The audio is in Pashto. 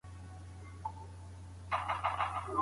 يو حکم يا منځګړی دي د خاوند لخوا وټاکل سي.